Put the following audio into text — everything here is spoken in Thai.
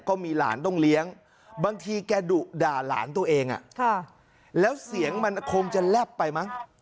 ก็มีหลานต้องเลี้ยงบางทีแกดุด่าหลานตัวเองแล้วเสียงมันคงจะแลบไปมั้ง